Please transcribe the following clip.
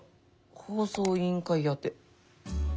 放送委員会宛て。